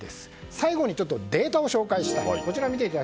最後にデータを紹介したい。